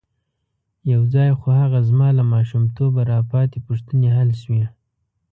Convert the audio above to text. یو ځای خو هغه زما له ماشومتوبه را پاتې پوښتنې حل شوې.